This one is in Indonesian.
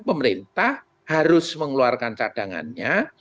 pemerintah harus mengeluarkan cadangannya